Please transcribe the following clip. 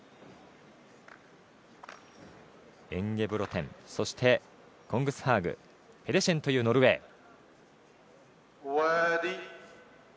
エンゲブロテン、コングスハーグペデシェンというノルウェー。